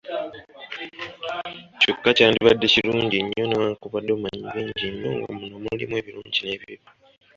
Kyokka kyandibadde kirungi nnyo newankubadde omanyi bingi nnyo nga muno mulimu ebirungi n’ebibi.,